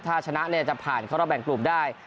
ถ้าชนะจะผ่านเข้ารอบแบ่งกลุ่มได้